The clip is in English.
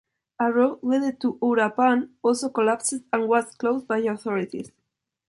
A road leading to Uruapan also collapsed and was closed by authorities.